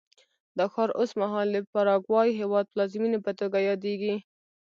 دا ښار اوس مهال د پاراګوای هېواد پلازمېنې په توګه یادېږي.